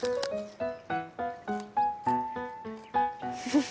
フフフ。